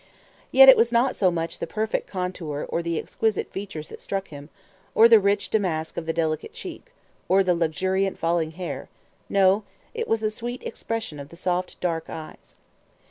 Yet it was not so much the perfect contour or the exquisite features that struck him, or the rich damask of the delicate cheek, or the luxuriant falling hair; no, it was the sweet expression of the soft dark eyes.